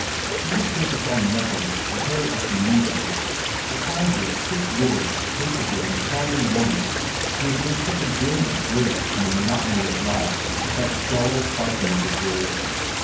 He would think upon nothing but her as he knew her, the kindly, quick witted, capable and charming woman who had made such a brilliant break in the monotony of life at that dull parsonage of his.